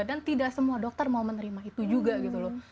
dan tidak semua dokter mau menerima itu juga gitu loh